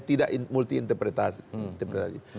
tidak multi interpretasi